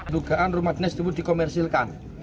dugaan rumah dinas itu dikomersilkan